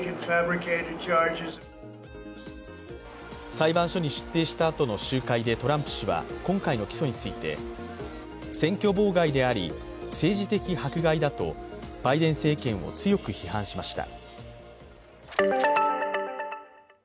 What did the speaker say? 裁判所に出廷したあとの周回でトランプ氏は今回の起訴について、選挙妨害であり、政治的迫害だとバイデン政権を強く批判しました。